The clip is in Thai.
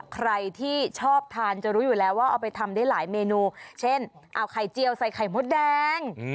ใครที่ชอบทานจะรู้อยู่แล้วว่าเอาไปทำได้หลายเมนูเช่นเอาไข่เจียวใส่ไข่มดแดง